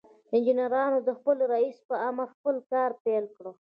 انجنيرانو د خپل رئيس په امر خپل کار پيل کړ.